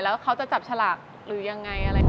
แล้วเขาจะจับฉลากหรือยังไงอะไร